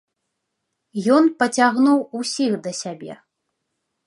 Ён пацягнуў усіх да сябе.